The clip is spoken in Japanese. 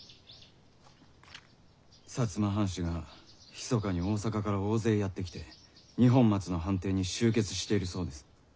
摩藩士がひそかに大坂から大勢やって来て二本松の藩邸に集結しているそうです。